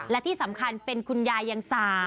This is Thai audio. และที่สำคัญเป็นคุณยายยัง๓